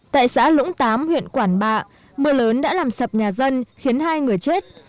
tại xã lũng tám huyện quản bạ mưa lớn đã làm sập nhà dân khiến hai người chết